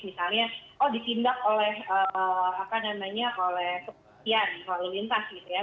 misalnya oh ditindak oleh kepolisian lalu lintas gitu ya